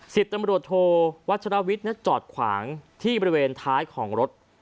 สิบตำรวจโทวัชรวิทย์จอดขวางที่บริเวณท้ายของรถ